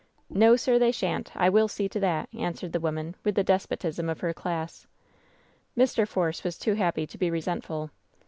"No, sir, that they shanH ! I will see to that I'* an swered the woman, with the despotism of her class. Mr. Force was too happy to be resentful.